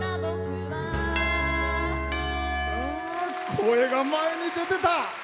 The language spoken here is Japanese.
声が前に出てた！